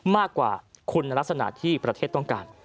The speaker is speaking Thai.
มากกว่าคุณลักษณะที่ประเทศต้องการ